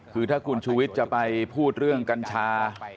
คือถ้าคุณชูวิทย์จะไปพูดเรื่องกัญชา